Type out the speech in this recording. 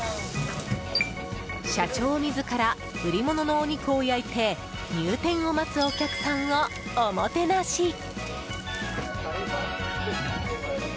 社長自ら売り物のお肉を焼いて入店を待つお客さんをおもてなし。